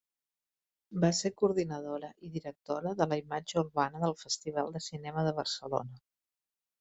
Va ser coordinadora i directora de la imatge urbana del Festival de Cinema de Barcelona.